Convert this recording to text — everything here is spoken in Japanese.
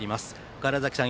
川原崎さん